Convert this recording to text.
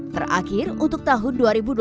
terakhir untuk tahun dua ribu dua puluh